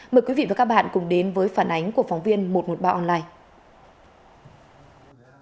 mời quý vị và các bạn cùng đến với phản ánh của phóng viên một trăm một mươi ba online